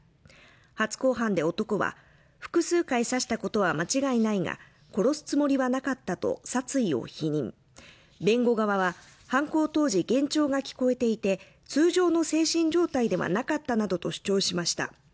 初公判で男は複数回刺したことは間違いないが殺すつもりはなかったと殺意を否認弁護側は犯行当時幻聴が聞こえていて、通常の精神状態ではなかったなどと主張しました。